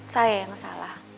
saya yang salah